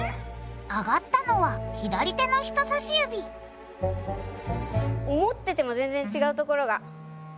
上がったのは左手の人さし指思ってても全然ちがうところが。